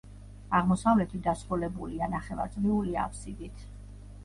აღმოსავლეთით დასრულებულია, ნახევარწრიული აბსიდით.